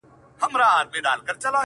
څوک چي ستا يو دين د زړه په درزېدا ورکوي،